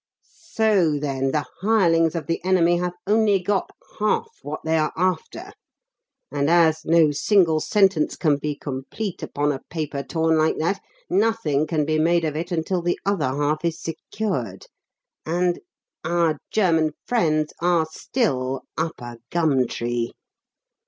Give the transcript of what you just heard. "So, then, the hirelings of the enemy have only got half what they are after; and, as no single sentence can be complete upon a paper torn like that, nothing can be made of it until the other half is secured, and our German friends are still 'up a gum tree.'